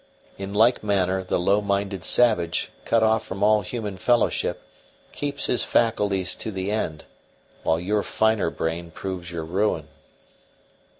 In like manner the low minded savage, cut off from all human fellowship, keeps his faculties to the end, while your finer brain proves your ruin."